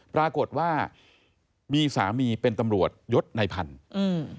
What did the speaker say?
ปรากฏว่ามีสามีเป็นตำรวจยศในพันธุ์อืม